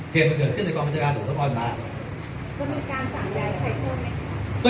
เหตุมันเกิดขึ้นในกรบบัญชาการตรวจต้องความร้อนบ้านก็มีการสั่งใดใครเพิ่มไหม